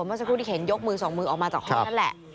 เมื่อสักครู่ที่เห็นยกมือสองมือออกมาจากห้องนั่นแหละ